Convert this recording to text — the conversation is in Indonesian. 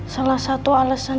salah satu alasan